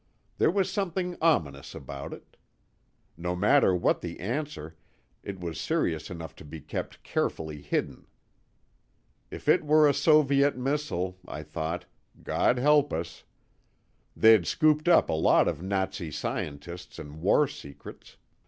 There was something ominous about it. No matter what the answer, it was serious enough to be kept carefully hidden. If it were a Soviet missile, I thought, God help us. They'd scooped up a lot of Nazi scientists and war secrets.